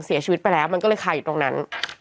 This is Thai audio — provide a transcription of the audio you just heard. เสียชีวิตไปแล้วมันก็เลยคาอยู่ตรงนั้น